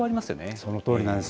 そのとおりなんです。